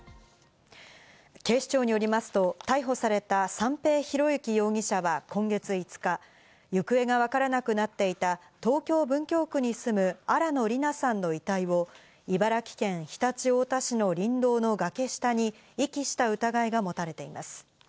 警視庁によりますと、逮捕された三瓶博幸容疑者は今月５日、行方がわからなくなっていた東京・文京区に住む新野りなさんの遺体を茨城県常陸太田市の林道の崖下に遺棄した疑いが持たれています。